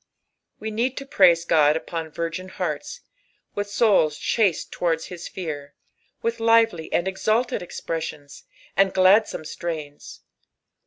We nerd to praise God upon virgin hearts. Kith souls ehaale tatoarda his fear, tciih littdy and eitaUed etjn^sions, and gladsome strains.